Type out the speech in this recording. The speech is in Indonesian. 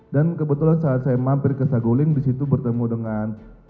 dan kebetulan saat saya mampir ke saguling disitu bertemu dengan